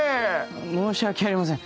申し訳ありません